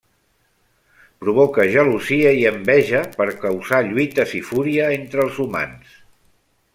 Provoca gelosia i enveja per causar lluites i fúria entre els humans.